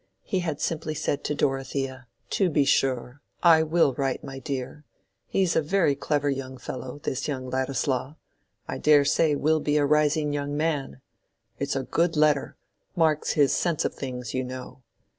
He had simply said to Dorothea— "To be sure, I will write, my dear. He's a very clever young fellow—this young Ladislaw—I dare say will be a rising young man. It's a good letter—marks his sense of things, you know.